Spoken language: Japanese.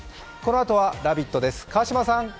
このあとは「ラヴィット！」です川島さん